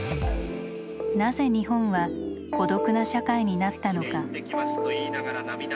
なぜ日本は「孤独」な社会になったのか。